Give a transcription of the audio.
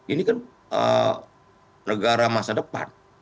ini kan negara masa depan